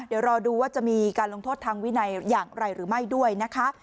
เดี๋ยวรอดูว่าจะมีการลงโทษทางวินัยอย่างไรหรือไม่ด้วยนะคะ